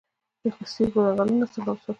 د پستې ځنګلونه څنګه وساتو؟